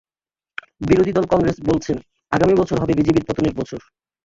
বিরোধী দল কংগ্রেস বলছেন, আগামী বছর হবে বিজেপির পতনের বছর।